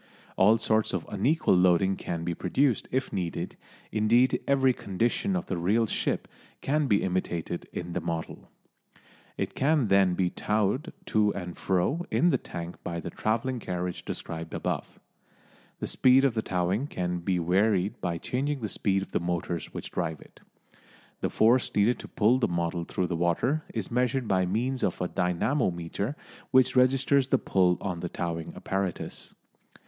All sorts of unequal loading can be produced if needed, indeed every condition of the real ship can be imitated in the model. It can then be towed to and fro in the tank by the travelling carriage described above. The speed of towing can be varied by changing the speed of the motors which drive it. The force needed to pull the model through the water is measured by means of a dynamometer which registers the pull on the towing apparatus.